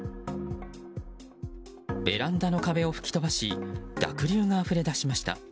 ベランダの壁を吹き飛ばし濁流があふれ出しました。